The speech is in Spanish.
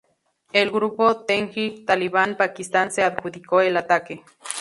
El grupo Tehrik-i-Taliban Pakistan se adjudicó el ataque.